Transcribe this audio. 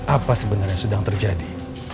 apa sebenarnya sedang terjadi